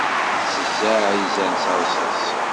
Iteẓẓaɛ izan s ṛṛṣaṣ.